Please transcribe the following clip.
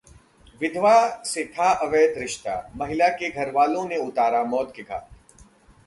विधवा से था अवैध रिश्ता, महिला के घरवालों ने उतारा मौत के घाट